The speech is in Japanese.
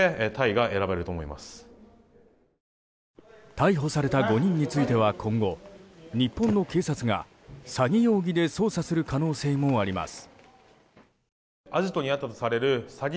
逮捕された５人については今後、日本の警察が詐欺容疑で捜査する可能性もあります。